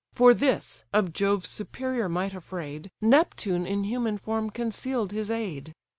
For this, of Jove's superior might afraid, Neptune in human form conceal'd his aid.